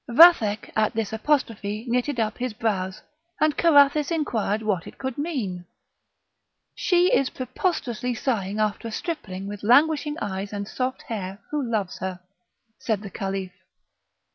Vathek at this apostrophe knitted up his brows, and Carathis inquired what it could mean. "She is preposterously sighing after a stripling with languishing eyes and soft hair, who loves her," said the Caliph.